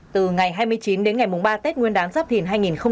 từ ngày hai mươi chín đến ngày ba tết nguyên đáng giáp thìn hai nghìn hai mươi bốn